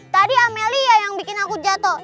tadi amelie yang bikin aku ngebelin